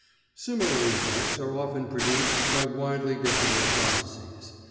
Similar effects are often produced by widely differing processes.